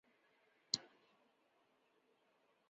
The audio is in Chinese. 血体是卵泡排卵后形成的一种临时结构。